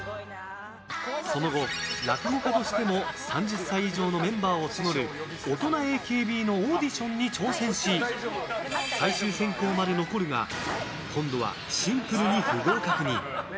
その後、落語家としても３０歳以上のメンバーを募る大人ＡＫＢのオーディションに挑戦し最終選考まで残るが今度はシンプルに不合格に。